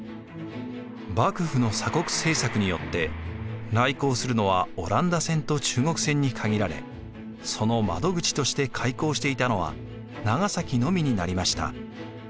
幕府の鎖国政策によって来航するのはオランダ船と中国船に限られその窓口として開港していたのは長崎のみになりました。